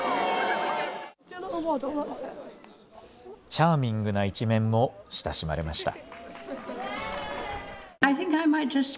チャーミングな一面も親しまれました。